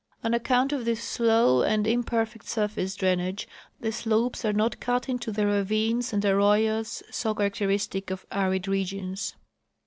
On account of this slow and imperfect surface drainage the slopes are not cut into the ravines and arroyas so characteristic of arid regions.